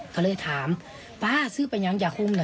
ก็เลยถามป้าซื้อไปยังยาคุมเหรอ